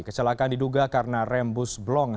kecelakaan diduga karena rem bus blong